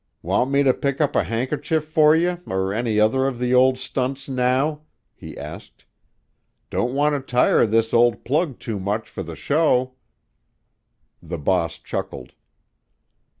"Want me to pick up a handkerchief for you, or any other of the old stunts, now?" he asked. "Don't want to tire this old plug too much for the show." The boss chuckled.